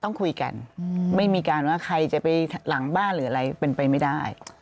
ต้องคุยกันไม่มีการว่าใครจะไปหลังบ้านหรืออะไรเป็นไปไม่ได้